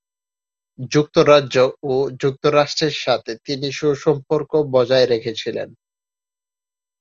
যুক্তরাজ্য ও যুক্তরাষ্ট্রের সাথে তিনি সুসম্পর্ক বজায় রেখেছিলেন।